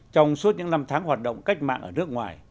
trong suốt những năm tháng hoạt động cách mạng ở nước ngoài